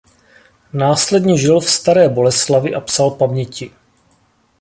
Následně žil v Staré Boleslavi a psal paměti.